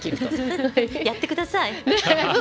やってください。